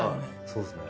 そうですね。